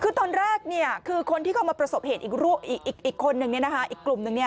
คือตอนแรกคือคนที่เข้ามาประสบเหตุอีกคนนึงอีกกลุ่มนึง